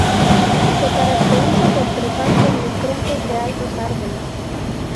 Se caracteriza por trepar por los troncos de altos árboles.